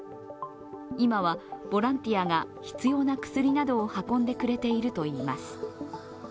今はボランティアが必要な薬などを運んでくれているといいます。